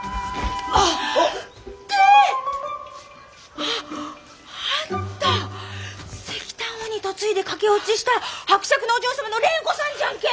ああんた石炭王に嫁いで駆け落ちした伯爵のお嬢様の蓮子さんじゃんけ！